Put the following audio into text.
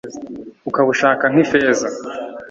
Ukabushaka nkifeza